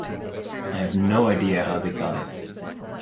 I have no idea how they got it.